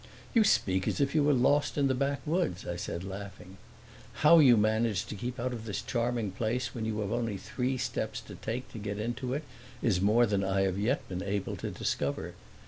"You speak as if you were lost in the backwoods," I said, laughing. "How you manage to keep out of this charming place when you have only three steps to take to get into it is more than I have yet been able to discover.